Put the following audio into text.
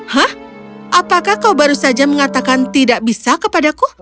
hah apakah kau baru saja mengatakan tidak bisa kepadaku